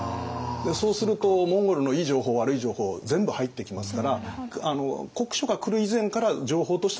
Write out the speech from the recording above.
そうするとモンゴルのいい情報悪い情報全部入ってきますから国書が来る以前から情報としては入ってたと思います。